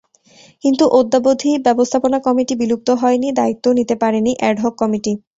কিন্তু অদ্যাবধি ব্যবস্থাপনা কমিটি বিলুপ্ত হয়নি, দায়িত্বও নিতে পারেনি অ্যাডহক কমিটি।